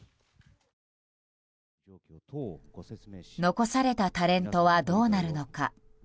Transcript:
残されたタレントはどうなるのか。